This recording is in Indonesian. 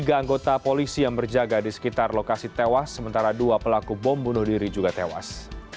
tiga anggota polisi yang berjaga di sekitar lokasi tewas sementara dua pelaku bom bunuh diri juga tewas